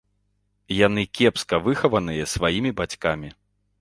Яны кепска выхаваныя сваімі бацькамі.